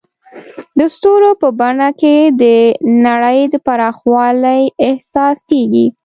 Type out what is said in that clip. د ستورو په بڼه کې د نړۍ د پراخوالي احساس کېږي.